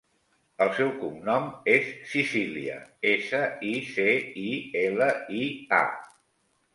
El seu cognom és Sicilia: essa, i, ce, i, ela, i, a.